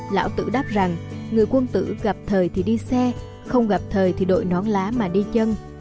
lão tử đáp rằng người quân tử gặp thời thì đi xe không gặp thời thì đội nón lá mà đi chân